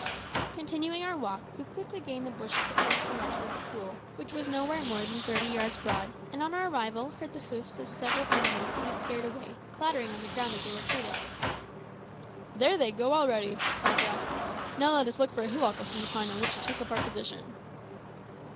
Continuing our walk we quickly gained the bushes that fringed the margin of the pool, which was nowhere more than thirty yards broad, and on our arrival heard the hoofs of several animals that we had scared away clattering on the ground as they retreated. "There they go already," cried Jack; "now let us look for a hillock of some kind on which to take up our position."